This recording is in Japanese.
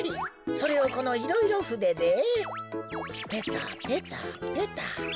それをこのいろいろふででペタペタペタと。